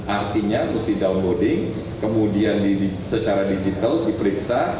artinya mesti downboarding kemudian secara digital diperiksa